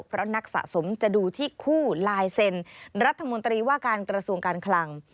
เพราะนักสะสมจะดูที่คู่ลายเซ็นรัฐมนตรีว่าการกระทรวงการคลัง